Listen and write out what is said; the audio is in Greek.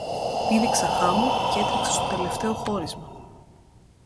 Πήδηξα χάμω κι έτρεξα στο τελευταίο χώρισμα